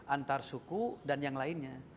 antar suku dan yang lainnya